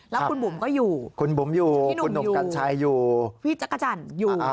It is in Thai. แล้วคุณบุ๋มก็อยู่คุณบุ๋มอยู่คุณหนุ่มกัญชัยอยู่พี่จักรจันทร์อยู่